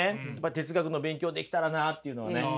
哲学の勉強できたらなあっていうのはね。